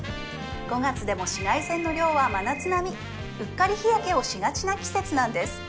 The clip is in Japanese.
５月でも紫外線の量は真夏並みうっかり日焼けをしがちな季節なんです